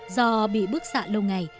do bị bức xạ lâu ngày